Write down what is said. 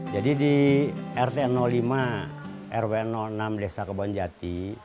jadi di rt lima rw enam desa kebonjati